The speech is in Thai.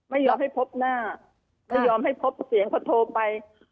ไม่ยอมให้พบหน้าไม่ยอมให้พบเสียงพอโทรไป